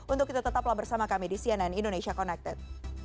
untuk itu tetaplah bersama kami di cnn indonesia connected